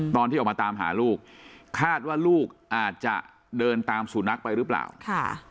ตอนที่ออกมาตามหาลูกคาดว่าลูกอาจจะเดินตามสูนักไปหรือเปล่าค่ะ